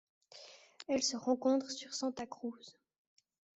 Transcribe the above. Elle se rencontre sur Santa Cruz.